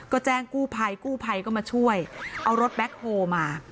ก็แจ้งกู้ภัยกู้ภัยก็มาช่วยเอารถแบ็คโฮมา